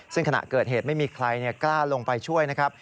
ซึ่งขณะเกิดเหตุไม่มีใครกล้าลงไปช่วยนะครับ